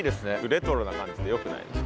レトロな感じでよくないですか？